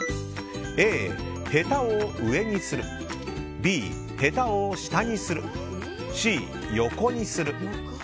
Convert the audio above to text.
Ａ、へたを上にするＢ、へたを下にするＣ、横にする。